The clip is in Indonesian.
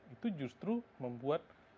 itu justru membuat